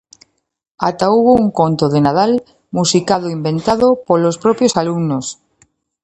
Ata houbo un conto de Nadal musicado inventado polos propios alumnos!